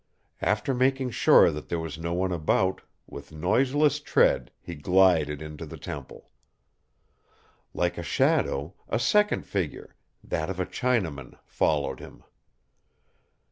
After making sure that there was no one about, with noiseless tread he glided into the temple. Like a shadow, a second figure, that of a Chinaman, followed him.